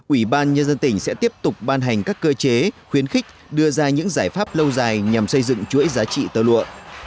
ủy ban nhân dân tỉnh sẽ tiếp tục ban hành các cơ chế khuyến khích đưa ra những giải pháp lâu dài nhằm xây dựng chuỗi giá trị tơ lụa